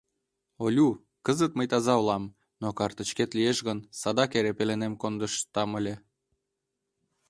Олю, кызыт мый таза улам, но картычкет лиеш гын, садак эре пеленем кондыштам ыле.